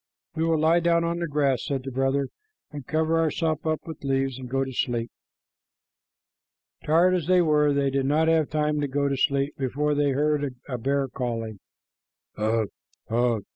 "We will lie down on the grass," said the brother, "and cover ourselves up with leaves, and go to sleep." Tired as they were, they did not have time to go to sleep before they heard a bear calling "Ugh! Ugh!"